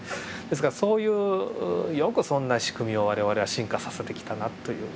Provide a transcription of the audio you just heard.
ですからそういうよくそんな仕組みを我々は進化させてきたなという。